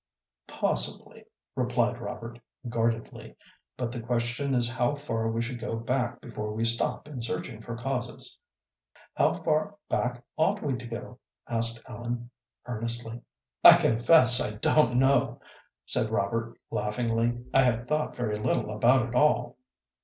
"Possibly," replied Robert, guardedly; "but the question is how far we should go back before we stop in searching for causes." "How far back ought we to go?" asked Ellen, earnestly. "I confess I don't know," said Robert, laughingly. "I have thought very little about it all."